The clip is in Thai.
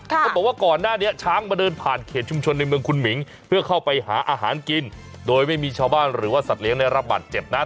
เขาบอกว่าก่อนหน้านี้ช้างมาเดินผ่านเขตชุมชนในเมืองคุณหมิงเพื่อเข้าไปหาอาหารกินโดยไม่มีชาวบ้านหรือว่าสัตว์ได้รับบัตรเจ็บนะ